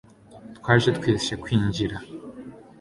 twaje twese [kwinjira